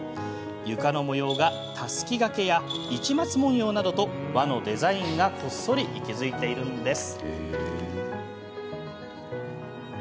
床の模様がたすき掛けや市松紋様などと和のデザインがこっそり息づいているんです。